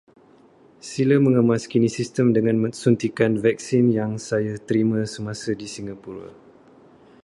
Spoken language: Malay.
Sila mengemaskinikan sistem dengan suntikan vaksin yang saya terima semasa di Singapura.